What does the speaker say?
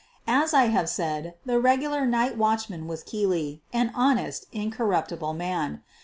As I have said, the regular night watchman was Keely — an honest, incorruptible man.